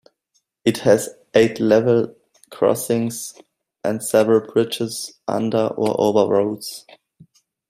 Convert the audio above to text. It has eight level crossings and several bridges under or over roads.